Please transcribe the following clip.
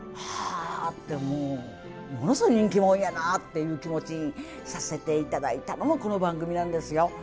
あってもうものすごい人気者やなっていう気持ちにさせて頂いたのもこの番組なんですよ。